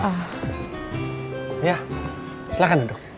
iya silahkan duduk